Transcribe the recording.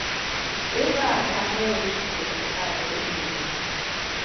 Eve ta bai wa Bitrusu tuffa ta ilimi.